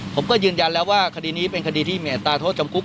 ผมก็ยืนยันแล้วว่าคดีนี้เป็นคดีที่มีอัตราโทษจำคุก